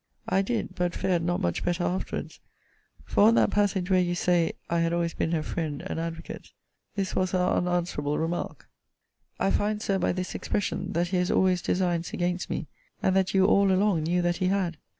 I did; but fared not much better afterwards: for on that passage where you say, I had always been her friend and advocate, this was her unanswerable remark: 'I find, Sir, by this expression, that he had always designs against me; and that you all along knew that he had.